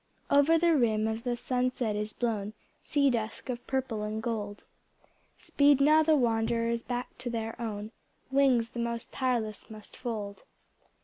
Ill Over the rim of the sunset is blown Sea dusk of purple and gold, Speed now the wanderers back to their own. Wings the most tireless must fold.